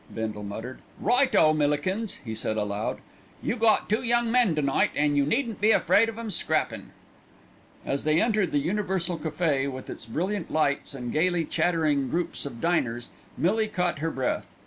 Bindle muttered. "Right o, Millikins!" he said aloud. "You got two young men to night, an' you needn't be afraid of 'em scrappin'." As they entered the Universal Café, with its brilliant lights and gaily chattering groups of diners Millie caught her breath.